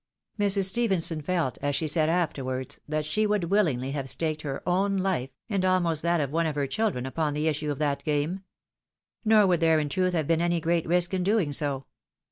Mrs. Stephenson felt, as she said afterwards, that she would willingly have staked her own life, and almost that of one of her 3CS THE WIDOW MAEEIED. children, upon the issue of that game. Nor would there in truth have been any great risk in doing so.